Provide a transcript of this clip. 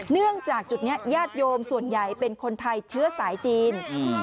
เนื่องจากจุดนี้ญาติโยมส่วนใหญ่เป็นคนไทยเชื้อสายจีน